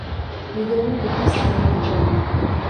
மிகவும் புத்திசாலியான பெண்.